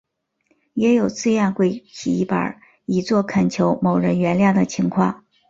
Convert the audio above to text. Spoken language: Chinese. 也有自愿跪洗衣板以作恳求某人原谅的情况。